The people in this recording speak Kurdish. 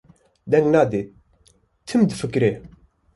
deng nade, tim difikire.